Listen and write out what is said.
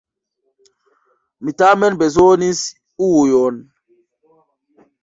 Mi tamen bezonis ujon.